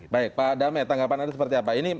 pak adame tanggapan anda seperti apa